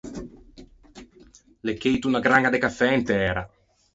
L’é cheito unna graña de cafè in tæra.